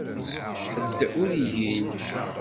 Ḥedd ur igin.